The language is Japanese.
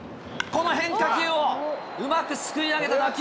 この変化球をうまくすくい上げた打球。